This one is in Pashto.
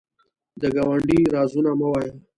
د ګاونډي رازونه مه وایه